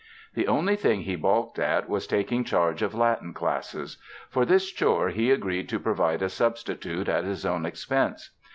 The only thing he balked at was taking charge of Latin classes. For this chore he agreed to provide a substitute at his own expense.